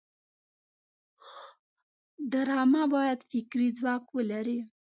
ډرامه باید فکري ځواک ولري